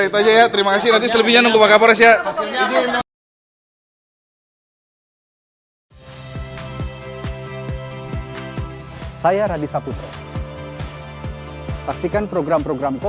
terima kasih nanti selanjutnya nunggu bapak kapolres ya